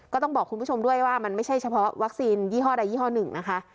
ก็ต้องบอกคุณผู้ชมด้วยว่ามันไม่ใช่เฉพาะวัคซีนยี่ห้อใดยี่ห้อหนึ่งนะคะ